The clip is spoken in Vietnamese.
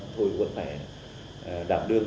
thôi vẫn phải đảm đương